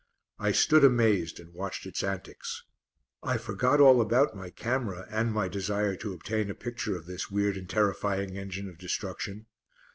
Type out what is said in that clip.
I stood amazed and watched its antics. I forgot all about my camera, and my desire to obtain a picture of this weird and terrifying engine of destruction.